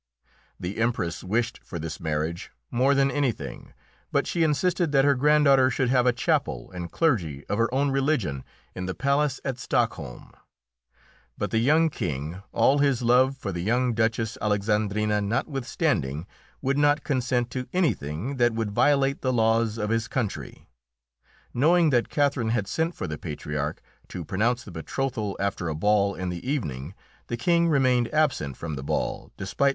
The Empress wished for this marriage more than anything, but she insisted that her granddaughter should have a chapel and clergy of her own religion in the palace at Stockholm, but the young King, all his love for the young Duchess Alexandrina notwithstanding, would not consent to anything that would violate the laws of his country. Knowing that Catherine had sent for the patriarch to pronounce the betrothal after a ball in the evening, the King remained absent from the ball despite M.